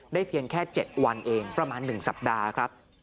เพียงแค่๗วันเองประมาณ๑สัปดาห์ครับ